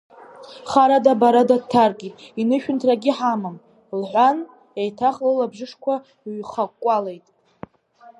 Харада-барада дҭаркит, инышәынҭрагьы ҳамам, – лҳәан, еиҭах лылабжышқәа ҩхаҟәҟәалеит.